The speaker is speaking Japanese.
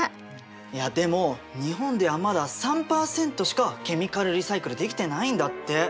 いやでも日本ではまだ３％しかケミカルリサイクルできてないんだって。